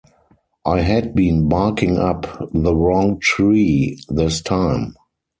I had been barking up the wrong tree this time.